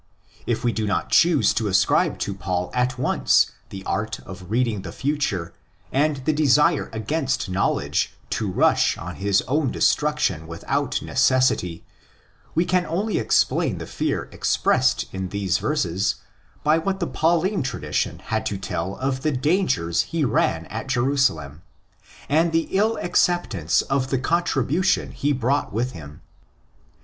If we do not choose to ascribe to Paul at once the art of reading the future and the desire against knowledge to rush on his own destruction without necessity, we can only explain the fear expressed in these verses by what the Pauline tradition had to tell of the dangers he ran at Jerusalem, and the ill acceptance of the contribution he brought with him.